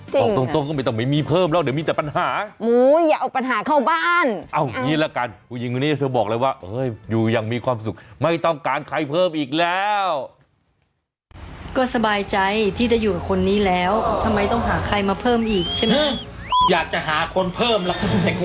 จริงค่ะค่ะค่ะค่ะค่ะค่ะค่ะค่ะค่ะค่ะค่ะค่ะค่ะค่ะค่ะค่ะค่ะค่ะค่ะค่ะค่ะค่ะค่ะค่ะค่ะค่ะค่ะค่ะค่ะค่ะค่ะค่ะค่ะค่ะค่ะค่ะค